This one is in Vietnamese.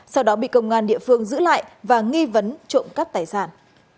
sau đó bị công an địa phương giữ lại và nghi vấn trộm cắp tài sản